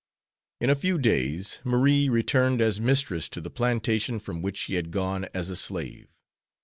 In a few days Marie returned as mistress to the plantation from which she had gone as a slave.